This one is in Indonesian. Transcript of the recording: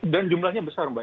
dan jumlahnya besar mbak